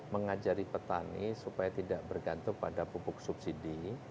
mengajari petani supaya tidak bergantung pada pupuk subsidi